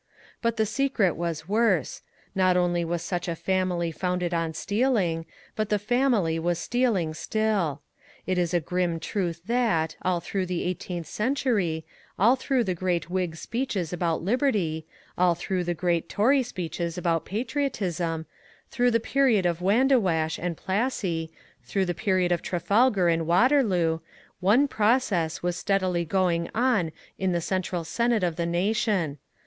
But the secret was worse; not only was such a family founded on stealing, but the family was stealing still. It is a grim truth that, all through the eighteenth century, all through the great Whig speeches about liberty, all through the great Tory speeches about patriotism, through the period of Wandiwash and Plassey, through the period of Trafalgar and Waterloo, one process was steadily going on in the central senate of the nation.